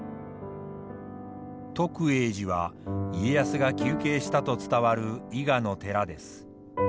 徳永寺は家康が休憩したと伝わる伊賀の寺です。